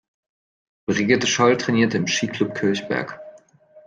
Brigitte Schroll trainierte im "Ski Klub Kirchberg".